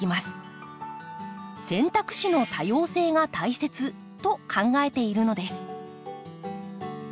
選択肢の多様性が大切と考えているのです。